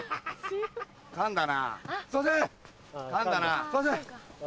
噛んだな！